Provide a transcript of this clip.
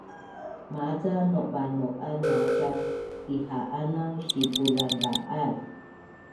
Maca nauba’nau’az naaka iha’anang sipulanva’az